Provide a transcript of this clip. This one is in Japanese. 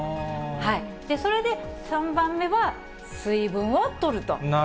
それで３番目は、水分をとると。